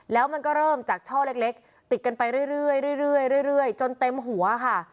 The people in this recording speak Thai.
แล้วมันก็เริ่มจากช่อเล็กติดกันไปเรื่อยจนเต็มหัวค่ะ